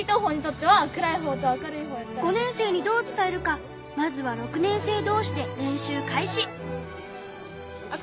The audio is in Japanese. ５年生にどう伝えるかまずは６年生どうしで練習開始。